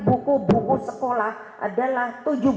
buku buku sekolah adalah